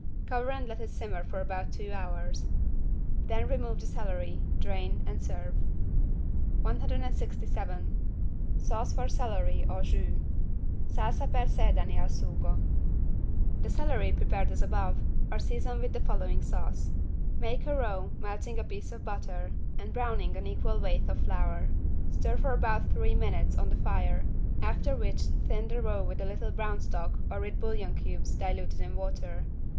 Cover and let it simmer for about two hour. Then remove the celery, drain and serve. 167 SAUCE FOR CELERY AU JUS (Salsa per sedani al sugo) The celery, prepared as above, are seasoned with the following sauce: Make a =roux= melting a piece of butter and browning an equal weight of flour; stir for about three minutes on the fire, after which thin the roux with a little brown stock or with bouillon cubes diluted in water.